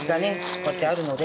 こうやってあるので。